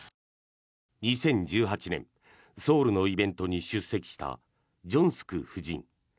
２０１８年、ソウルのイベントに出席したジョンスク夫人。